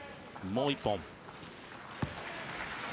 もう１本。